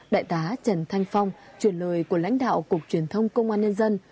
đại tá trần thanh phong chuyển lời của lãnh đạo cục truyền thông công an nhân dân